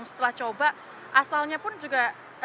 setelah coba asalnya pun juga